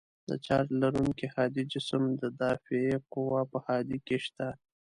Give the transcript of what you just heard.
د چارج لرونکي هادي جسم د دافعې قوه په هادې کې شته.